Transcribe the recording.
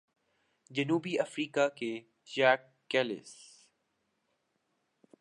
جنوب افریقہ کے ژاک کیلس